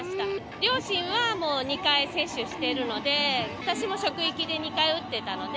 両親はもう２回、接種してるので、私も職域で２回打っていたので。